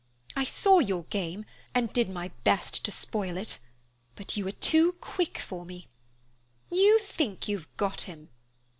I saw your game and did my best to spoil it, but you are too quick for me. You think you've got him.